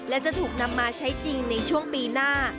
และจะถูกนำมาใช้จริงในช่วงปีหน้า